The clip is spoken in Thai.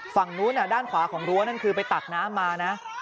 ฝั่งนู้นด้านขวาของรั้วนั่นคือไปตักน้ำมานะ